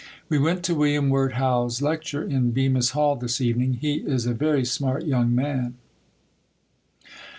We went to William Wirt Howe's lecture in Bemis Hall this evening. He is a very smart young man.